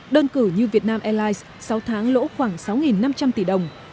đơn cử như việt nam airlines sáu tháng lỗ khoảng sáu năm trăm linh tỷ đồng